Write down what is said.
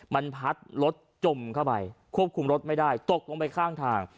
มันพัดรถจมเข้าไปควบคุมรถไม่ได้ตกลงไปข้างทาง